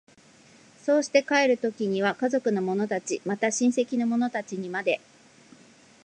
そうして帰る時には家族の者たち、また親戚の者たちにまで、